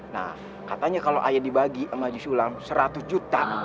nah katanya kalau ayah dibagi sama majelis ulama seratus juta